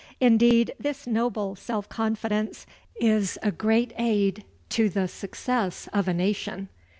Indeed, this noble self confidence is a great aid to the success of a nation.